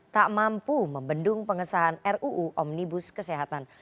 tak mampu membendung pengesahan ruu omnibus kesehatan